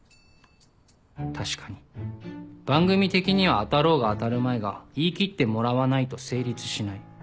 確かに番組的には当たろうが当たるまいが言い切ってもらわないと成立しない